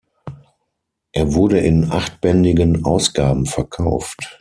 Er wurde in achtbändigen Ausgaben verkauft.